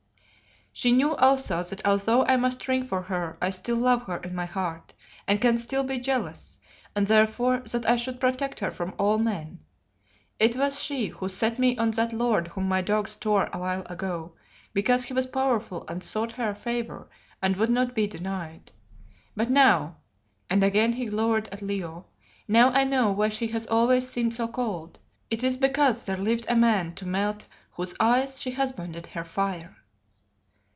"She knew also that although I must shrink from her, I still love her in my heart, and can still be jealous, and therefore that I should protect her from all men. It was she who set me on that lord whom my dogs tore awhile ago, because he was powerful and sought her favour and would not be denied. But now," and again he glowered at Leo, "now I know why she has always seemed so cold. It is because there lived a man to melt whose ice she husbanded her fire."